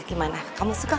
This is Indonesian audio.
gimana kamu suka gak